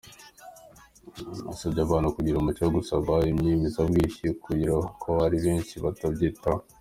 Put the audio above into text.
Yasabye abantu kugira umuco wo gusaba inyemezabwishyu kuko byagaragaye ko hari benshi batabyitaho.